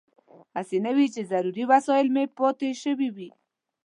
هسې نه وي چې ضروري وسایل مې پاتې شوي وي.